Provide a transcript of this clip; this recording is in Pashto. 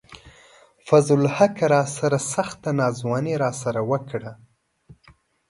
فضل الحق راسره سخته ناځواني راسره وڪړه